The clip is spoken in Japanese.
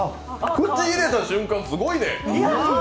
口入れた瞬間、すごいね！